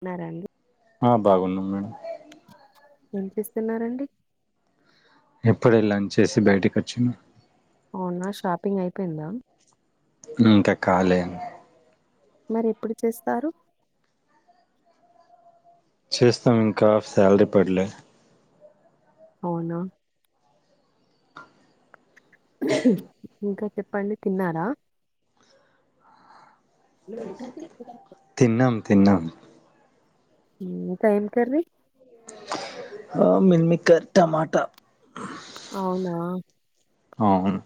ఉన్నారండి ఆ బాగున్నాం మేడం ఏం చేస్తున్నారండి ఇప్పుడే లంచ్ చేసి బయటకి వచ్చినా అవునా షాపింగ్ అయిపోయిందా ఇంకా కాలే మరి ఎప్పుడు చేస్తారు చేస్తాం ఇంకా శాలరీ పడలే అవునా ఇంకా చెప్పండి తిన్నారా తిన్నం తిన్నం మ్ ఎం కర్రీ ఆ [unintelligible] టమాట అవునా అవును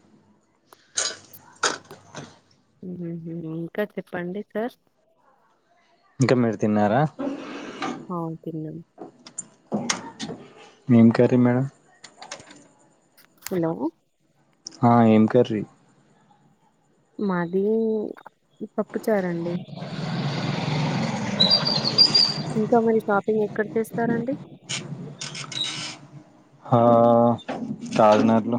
హ్మ్ హు ఇంకా చెప్పండి సార్ ఇంక మీరు తిన్నారా ఆవ్ తిన్నం ఏం కర్రీ మేడం హలో ఆ ఏం కర్రి మాది పప్పుచారు అండీ ఇంకా మరు షాపింగ్ ఎక్కడ చేస్తారండి. హ రాజమండ్రి లో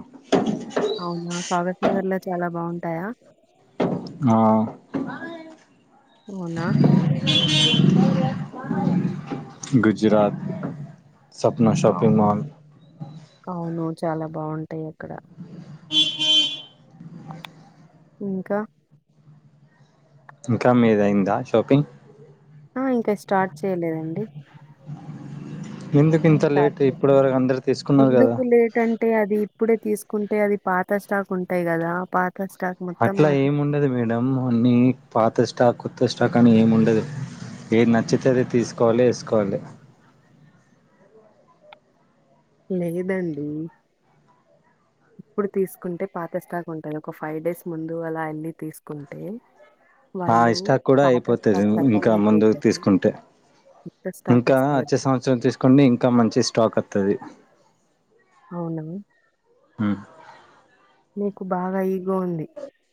మీ ఊరిలో చాలా బాగుంటాయా, ఆ అవునా [unintelligible] ఊ గుజరాత్ సప్నా షాపింగ్ అవును మాల్ అవును చాలా బాగుంటాయి అక్కడ ఇంకా ఇంకా మీద అయిందా షాపింగ్ ఆ ఇంకా స్టార్ట్ చేయలేదండి. ఎందుకు ఇంత లేట్ ఇప్పటి వరకు అందరు తీసుకున్నారు కదా ఎందుకు లేటంటే అది ఇప్పుడే తీసుకు ఉంటేయి అది పాత స్టాక్ ఉంటాయి, కదా పాత స్టాక్ మొత్తం అట్లా మాకు ఏమిండదు మేడం అన్నిీ పాత స్టాక్, త్త స్టాక్ అని ఏమి ఉండదు ఏది నచ్చితే అది తీసుకోవాలి వేసుకోవాలి, లేదండి ఇప్పుడు తీసుకుంటే పాత స్టాక్ ఉంటది, ఒక ఫైవ్ డేస్ ముందు అలా వెళ్ళి తీసుకుంటే, ఆ వాళ్ళు ఇస్టాక్ కూడా పాత అయిపోతది. స్టాక్ ఖతం ఇంకా ముందుకు అయిపోతది. తీసుకుంటే, కొత్త స్టాక్ ఇంకా వస్తది. వచ్చే సంవత్సరం తీసుకుంటే ఇంకా మంచి స్టాక్ వస్తది, అవును నీకు బాగా ఈగో ఉంది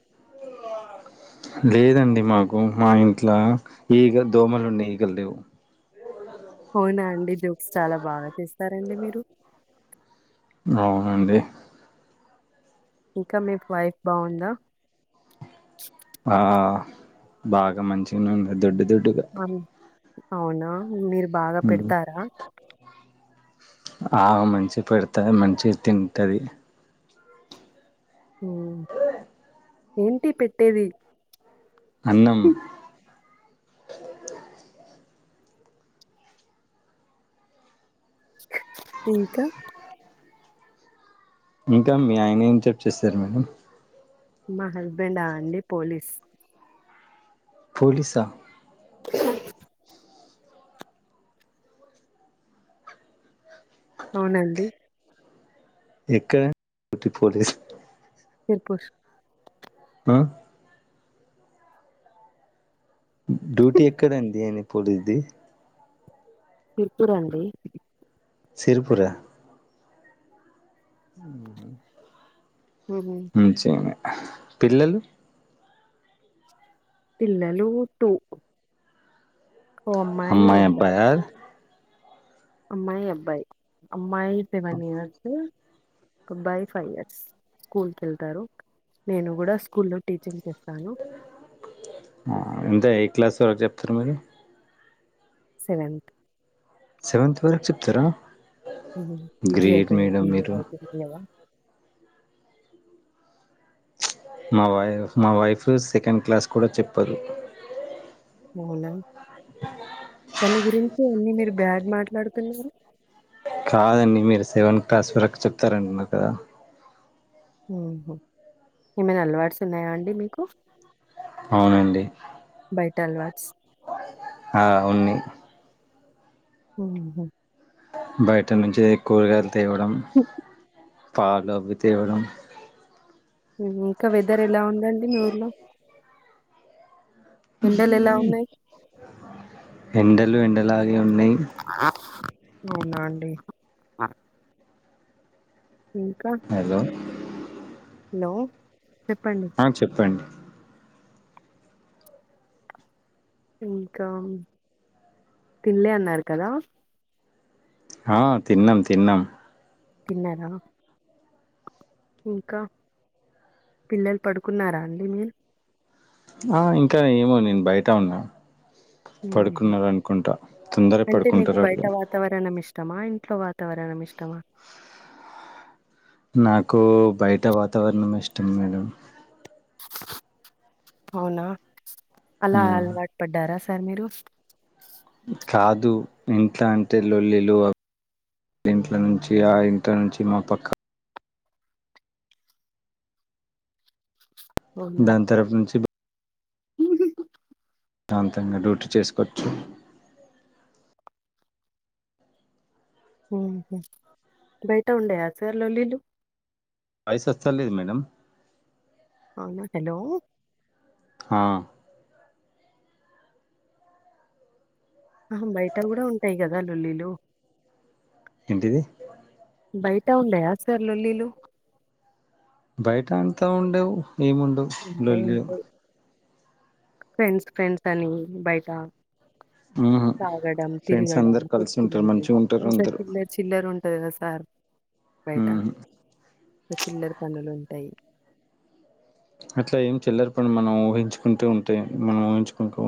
[unintelligible] లేదండి మాకు మా ఇంట్లో ఈగ దోమలు ఉన్నా ఈగలు లేవు, [unintelligible] అవునా అండి జోక్స్ చాలా బాగా తిస్తారండి మీరు ఉంది ఇంకా మీకు వైఫ్ బాగుందా, ఆ బాగా మంచిగా ఉంది దొడ్డు దొడ్డు అను అవునా మీరు బాగా ఉమ్. పెడతారా, ఆ మంచి పెడతను మంచిగా తింటది. ఊ ఏంటి పెట్టేది. అన్నం ఇంకా ఇంకా మీ ఆయన ఏం జాబ్ చేస్తారు, మేడం మా హస్బెండా ఆ అండి పోలీస్ పోలీస [unintelligible] అవునండి ఎక్కడ డ్యూటీ పోలీస్ [unintelligible] ఆ డ్యూటీ ఎక్కడండి ఆయన పోలీసు ధి సిరిపుర్ సిరిపుర ఉహు ఉహు మంచిది పిల్లలు పిల్లలు టూ ఓ ఓ అమ్మాయి అబ్బాయి అబ్బాయ అమ్మాయి అబ్బాయి అమ్మాయి సెవెన్ ఇయర్స్ అబ్బాయి ఫైవ్ ఇయర్స్ స్కూల్ కెళ్తారు నేను కూడా స్కూల్ లో టీచింగ్ చేస్ ఆ అంతే ఏ క్లాస్ వరకు చెప్తారు మీరు సెవెంత్ సెవెంత్ వరక్ చెప్తారా ఊ పీజీ గ్రేట్ అయిపోయింది మేడం పీజీ మీరు అయిపోయింది కదా నా వైఫ్ మా వైఫ్ సెకండ్ క్లాస్ కూడా చెప్పదు అవునా తన గురించి అన్ని మీరు బ్యాడ్ మాట్లాడుతున్నారు కాదండి మీరు సెవెన్ క్లాస్ వరకు చెప్తారంటునారు కదా ఊహు ఏమైనా అలవాట్స్ ఉన్నాయా అండి మీకు అవునండి ఏంటలవాట్స్ హా ఉంది ఊహు బయట నుంచి కూరగాయలు తేవడం పాలు అవి తేవడం ఇంకా వెదర్ ఎలా ఉందండి మీ ఊర్లో ఉహు ఎండలు ఎలా ఉన్నాయి ఎండలు ఎండలాగే ఉన్నాయి అవున అండీ హలో హలో చెప్పండి ఆ చెప్పండి ఇంకా తిన్లే అన్నారు కదా ఆ తిన్నం తిన్నం తిన్నర ఇంకా పిల్లలు పడుకున్నారా అండి మీరు ఆ ఇంకా ఏమో నేను బయట ఉన్నా ఉహు పడుకున్నరనుకుంటా తొందర పడుకుంటారు వాళ్ళు టమా ఇంట్లో వాతావరణం ఇష్టమా నాకు బయట వాతావరణం ఇష్టం మేడం అవునా అలా మ్మ్ అలవాటు పడ్డారా సార్ మీరు కాదు ఇంట్లా అంటే లొల్లిలు అ ఇంట్ల నుంచి ఆ ఇంట్ల నుంచి మా పక్క అవునా దాని తరపు నుంచి ప్రశాంతంగా డ్యూటీ చేసుకోవచ్చు ఉహు బయట ఉండయ సర్ లొల్లిలు వాయిస్ అస్త లేదు మేడమ్ అవునా హలో హా అహ బయట కూడా ఉంటాయి కదా లొల్లీలు ఏంటిది బయట ఉండయ సార్ లొల్లీలు బయట అంతా ఉండవు ఏముండవు ఉంటాయి లొల్లిలు ఉంటాయి ఫ్రెండ్స్ ఫ్రెండ్స్ అని బయట మ్మ్ తాగడం ఫ్రెండ్స్ తిరగడం అందరు కలిసి ఉంటారు కోట్టుకొనేది మంచిగా ఉంటారు అంత అందరు చిల్లర్ చిల్లర ఉం టది కద సార్ ఊ చిల్లరి పనులు ఉంటాయి అట్లా ఏం చిల్లర పని మనం ఊహించుకుంటే ఉంటయి మనం ఊహు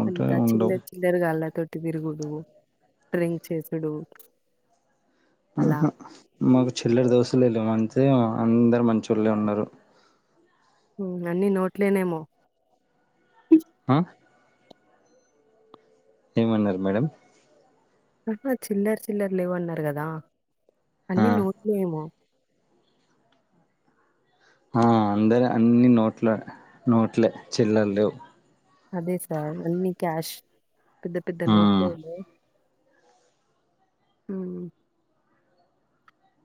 అంత చిల్లర చిల్లర గాల్లతోటి తిరుగుడు డ్రింక్ చేసుడు అలా ఆహా మాకు చిల్లర దోస్తులే లేర్ అంతే అందరు మంచోళ్ళే ఉన్నరు అన్ని నోట్లేనేమో ఆ ఏమన్నరు మేడమ్ ఆహా చిల్లర చిల్లర లేవన్నారు గదా ఆ అన్నీ నోట్లే ఏమో ఆ అందర్ అన్ని నోట్లే నోట్లే చిల్లర లేవు అదే సార్ అన్నీ క్యాష్ పెద్ద పెద్ద మ్మ్ నోటులు ఉమ్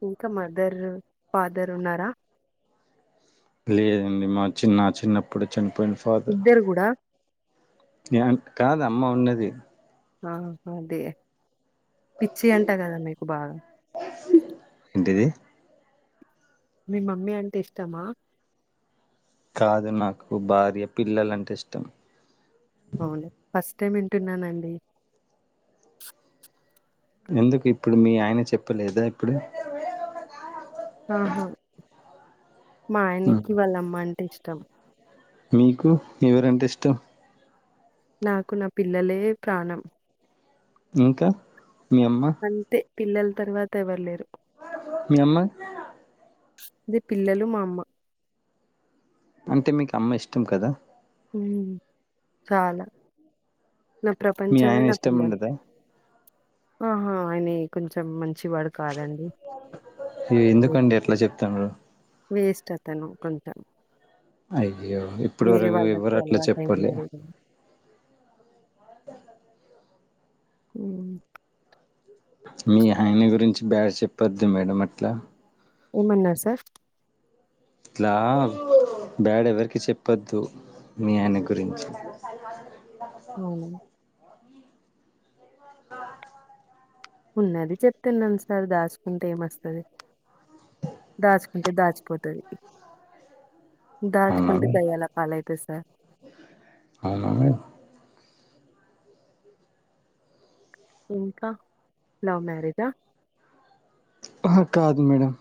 ఇంకా మదర్ ఫాదర్ ఉన్నారా లేదండి మా చిన్న చిన్నప్పుడే చని పోయిడ ఫాదర్ ఇద్దరు కూడా కాదు అమ్మ ఉన్నది ఆ అదే పిచ్చి అంట గదా మీకు బాగా ఏంటిది మీ మమ్మీ అంటే ఇష్టమా కాదు నాకు భార్య పిల్లలంటే ఇష్టం అవును ఫస్ట్ టైం వింటున్నానండి ఎందుకు ఇప్పుడు మీ ఆయన చెప్పలేదా ఎప్పుడు ఆహా మా ఉమ్. ఆయనకి వాళ్ళమ్మ అంటే ఇష్టం మీకు ఎవరంటే ఇష్టం నాకు నా పిల్లలే ప్రాణం ఇంకా మీ అమ్మ అంతే పిల్లల తర్వాత ఎవ్వరు లేరు మీ అమ్మ అది పిల్లలు మా అమ్మ అంటే మీకు అమ్మ ఇష్టం కదా మ్ చాలా నా మీ ప్రపంచమే ఆయన నా ఇష్టం పిల్లలు ఉండదా ఆహా ఆయనే కొంచెం మం ఎ వేస్ట్ ఎందుకండి అట్లా చెప్తతునరు వేస్ట్ అతను కొంత అయ్యో ఇప్పుడు వరకు ఎవ్వరు అట్లా చెప్పలే అలవాటయినాడు. [inaudible] ఉమ్ మీ ఆయన గురించి బ్యాడ్ చెప్పద్దు మేడం అట్లా ఏమన్నారు సార్ ఇట్లా బ్యాడ్ ఎవరికి చెప్పద్దు మీ ఆయన గురించి [inaudible] అవునా! [inaudible] ఉన్నది చెప్తున్నాను సార్ దాచుకుంటే ఏమ వస్తది దాచుకుంటే దాచిపోతది అవునా దాచుకుంటే మేడం? దయ్యాల పాలయితది సార్ హడ్ ఇంకా లవ్ మ్యారేజా ఆహ కాదు మేడమ్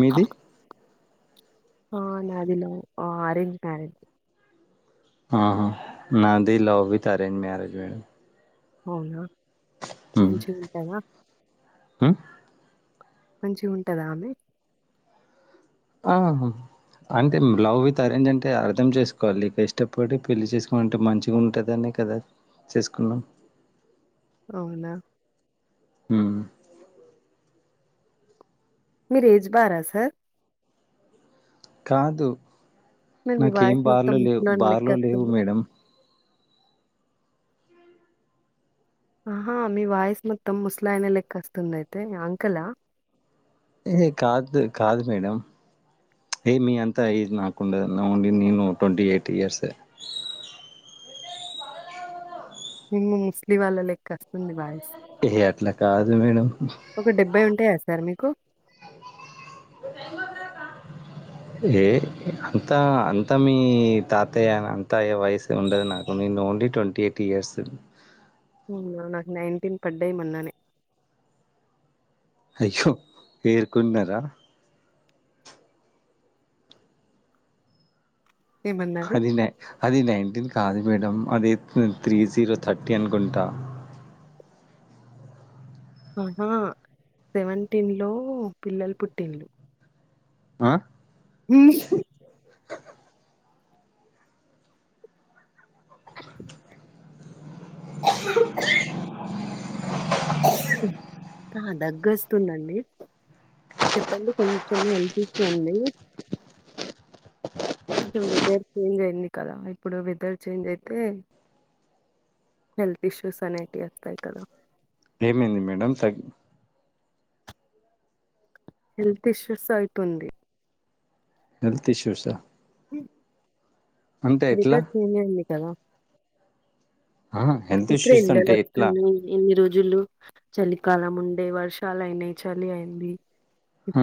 మీది ఆ నాది లవ్ అరేంజ్ మ్యరేజ్ ఆహా నాది love with arrange marriage madam అవునా ఉమ్. మంచిగుంటదా ఉమ్? మంచిగుంటదా ఆమె ఆ అంతే లవ్ విత్ అరేంజ్ అంటే అర్థం చేసుకోవాలి ఇష్టపడి పెళ్లి చేసుకున్న అంటే మంచిగా ఉంటుదనే కదా చేసుకున్నాం అవునా ఉమ్ మీరు ఏజ్ బారా సార్ కాదు మరి మీ నాకు ఏం వాయిస్ మొత్తం బార్లు లేవు ముసలోని బార్లు లేవు లెక్కొస్తుంది. మేడమ్ ఆహా మీ వాయిస్ మొత్తం ముసలాయన లెక్క వస్తుంది అయితే అంకులా ఏహే కాదు కాదు మేడమ్ ఏ మీ అంత ఏజ్ నాకుండదు ఓన్లీ నేను ట్వంటీ ఎయిట్ ఇయర్స్ ఏ ఏమో ముసలి వాళ్ళ లెక్క వస్తుంది వాయిస్ ఏ అట్లా కాదు మేడం. ఒక డెబ్బై ఉంటాయా సార్ మీకు ఏ అంతా అంతా మీ తాతయ్యని అంతా ఏ వయసు ఉండదు నాకు నేను ఓన్లీ ట్వంటీ ఎయిట్ ఇయర్స్ నాకు నైన్టీన్ పడ్డయి మొన్ననే అయ్యో పేరుకున్నరా ఏమన్నారు? అది నే అది నైన్టీన్ కాదు మేడమ్ అది త్రీ జీరో థర్టీ అనుకుంటా ఆహా సెవెంటీన్ లో పిల్లలు పుట్టిన్లు ఆ ఉమ్ ఆ దగ్గొస్తుందండి చెప్పండి కొంచెం వినిపిస్తుంది కొంచం వెదర్ చేంజ్ అయింది కదా ఇప్పుడు వెదర్ చేంజ్ అయితే హెల్త్ ఇష్యూస్ అనేటియి వస్తాయి కదా ఏమైంది మేడమ్ తగ హెల్త్ ఇష్యూస్ అవుతుంది హెల్త్ ఇష్యూసా అంటే ఎట్లా వెదర్ కూల్ అయింది కదా ఆ హెల్త్ ఇప్పుడే ఇష్యూస్ ఎండలు అంటే ఎట్లా వస్తున్నయి ఇన్ని రోజులు చలి కాలం ఉండే వర్షాలయినయి చలి అయింది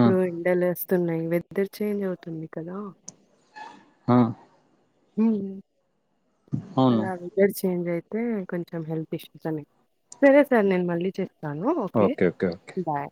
ఆ ఎండలు వస్తున్నాయి వెదర్ చేంజ్ అవుతుంది కదా హా ఉమ్ అవును అలా వెదర్ చేంజ్ అయి తే కొంచెం హెల్త్ ఇష్యూస్ అని సరే సార్ నేను మళ్ళీ చేస్తాను ఓకే బాయ్